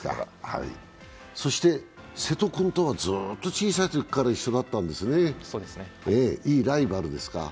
そして瀬戸君とはずっと小さいときから一緒だったんですね、いいライバルですか？